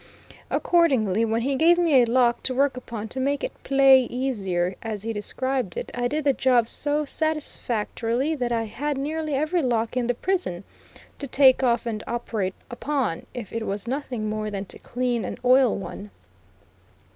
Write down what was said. Accordingly, when he gave me a lock to work upon to make it "play easier," as he described it, I did the job so satisfactorily that I had nearly every lock in the prison to take off and operate upon, if it was nothing more than to clean and oil one.